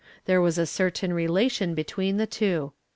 There was a certain rela tion between the two.